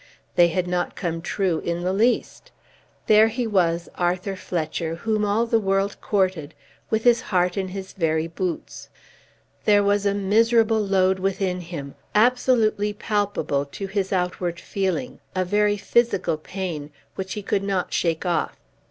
They had not come true in the least. There he was, Arthur Fletcher, whom all the world courted, with his heart in his very boots! There was a miserable load within him, absolutely palpable to his outward feeling, a very physical pain, which he could not shake off.